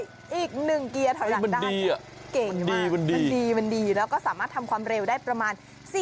นี่อีกหนึ่งเกียร์ถอยหลังด้าน